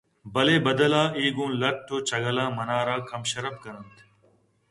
بلے بدل ءَ اے گوں لٹّ ءُ چَگلاں منارا کم شرپ کننت